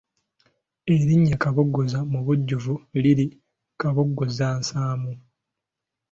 Erinnya Kaboggoza mubujjuvu liri Kaboggozansaamu.